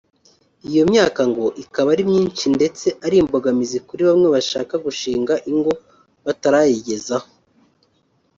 Iyi myaka ngo ikaba ari myinshi ndetse ari imbogamizi kuri bamwe bashaka gushinga ingo batarayigezaho